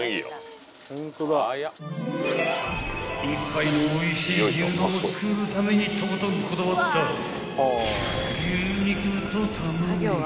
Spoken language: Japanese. ［１杯のおいしい牛丼を作るためにとことんこだわった牛肉とタマネギ］